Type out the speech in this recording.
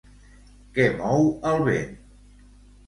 Què mou el vent?